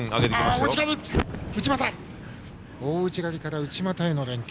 大内刈りから内股へ連係。